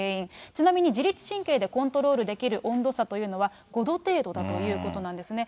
ちなみに、自律神経でコントロールできる温度差というのは５度程度だということなんですね。